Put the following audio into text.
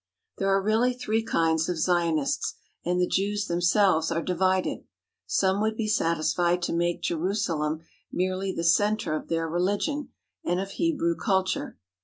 There are really three kinds of Zionists, and the Jews themselves are divided. Some would be satisfied to make Jerusalem merely the centre of their religion and of Hebrew culture.